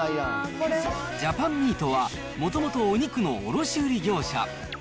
ジャパンミートは、もともとお肉の卸売り業者。